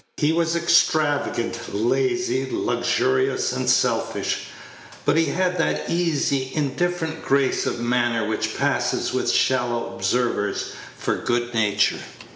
He was extravagant, lazy, luxurious, and selfish; but he had that easy, indifferent grace of manner which passes with shallow observers for good nature.